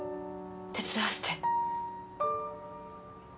手伝わせて。